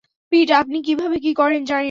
পিট, আপনি কীভাবে কী করেন, জানি না।